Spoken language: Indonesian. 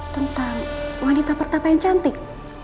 tentang wanita pertama yang cantik